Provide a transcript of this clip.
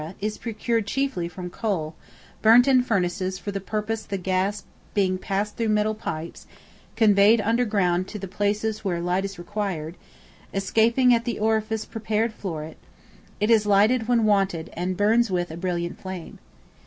is procured chiefly from coal, burnt in furnaces for the purpose the gas being passed through metal pipes, conveyed underground to the places where the light is required: escaping at the orifice prepared for it, it is lighted when wanted, and burns with, a brilliant flame.